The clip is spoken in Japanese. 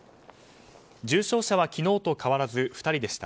重症者は昨日と変わらず２人でした。